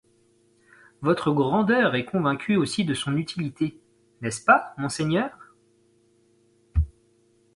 Votre grandeur est convaincue aussi de son utilité, n'est-ce pas, monseigneur ?